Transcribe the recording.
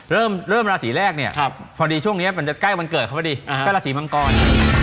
เริ่มราศีแรกเนี่ยพอดีช่วงนี้มันจะใกล้วันเกิดเขาพอดีใกล้ราศีมังกร